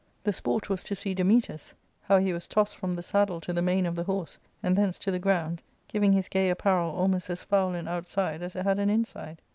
The sport was to see Dametas — how he was tossed from the saddle to the mane of the horse, and thence to the ground, giving his gay apparel almost as foul an outside as it had an inside.